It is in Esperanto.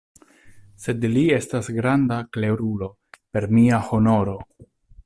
Sed li estas granda klerulo, per mia honoro!